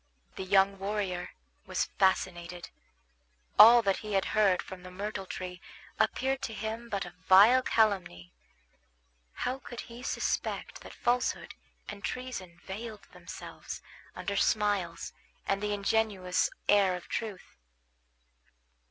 The young warrior was fascinated. All that he had heard from the myrtle tree appeared to him but a vile calumny. How could he suspect that falsehood and treason veiled themselves under smiles and the ingenuous air of truth?